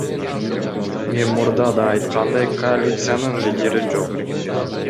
Мен мурда да айткандай, коалициянын лидери жок.